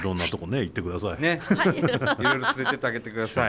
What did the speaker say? ねっいろいろ連れてってあげてください。